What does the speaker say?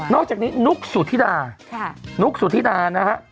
อกจากนี้นุ๊กสุธิดานุ๊กสุธิดานะฮะ